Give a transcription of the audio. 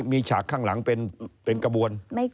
มีฉากข้างหลังเป็นกระบวน